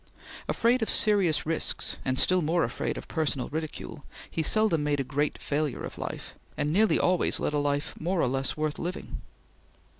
Afraid of such serious risks, and still more afraid of personal ridicule, he seldom made a great failure of life, and nearly always led a life more or less worth living.